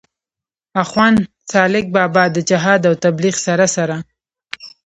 آخون سالاک بابا د جهاد او تبليغ سره سره